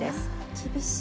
厳しい。